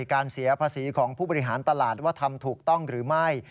เสียภาษีของผู้บริหารตลาดว่าทำถูกต้องหรือไม่